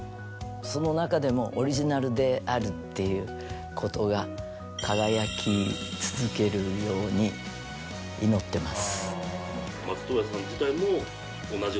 その中でもオリジナルであるっていうことが輝き続けるように祈ってます。